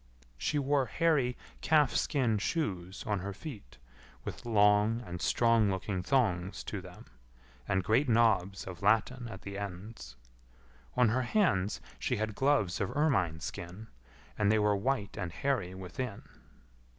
She wore hairy calf skin shoes on her feet, with long and strong looking thongs to them, and great knobs of latten at the ends. On her hands she had gloves of ermine skin, and they were white and hairy within.